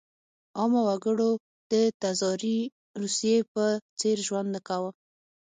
عامه وګړو د تزاري روسیې په څېر ژوند نه کاوه.